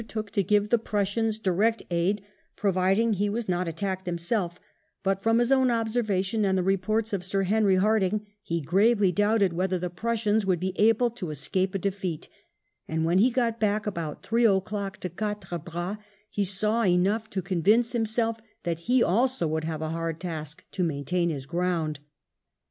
There he undertook to give the Prussians direct aid, providing he was not attacked himself; but, from his own observation and the reports of Sir Henry Hardinge, he gravely doubted whether the Prussians would be able to escape a defeat, and, when he got back about three o'clock to Quatre Bras, he saw enough to convince himself that he also would have a hard task to maintain his ground.